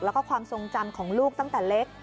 แล้วก็ความทรงจำของลูกตั้งแต่เล็ก